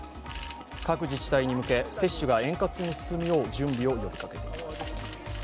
各自治体に向け、接種が円滑に進むよう準備を呼びかけています。